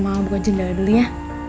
mau buka jendela dulu ya